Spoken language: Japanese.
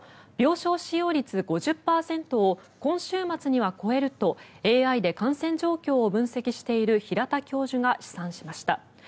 病床使用率５０％を今週末には超えるとＡＩで感染状況を分析している平田教授が試算しました。